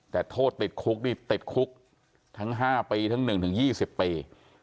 แต่โทษติดคุกนี่ติดคุกทั้ง๕ปีทั้ง๑๒๐ปี